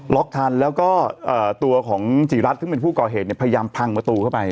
ล็อกทันแล้วก็ตัวของจีรัฐที่เป็นผู้ก่อเหตุเนี่ยพยายามพังประตูเข้าไป